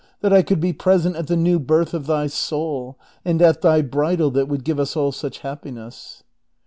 That I could be ])resent at the new birth of thy soul, and at thy bridal that would give us all such happiness